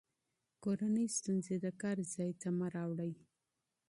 کورني ستونزې د کار ځای ته مه راوړئ.